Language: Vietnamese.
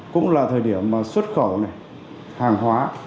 cũng là thời điểm mà xuất khẩu hàng hóa